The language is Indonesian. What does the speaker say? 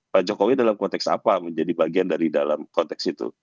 pak jokowi dalam konteks apa menjadi bagian dari dalam konteks itu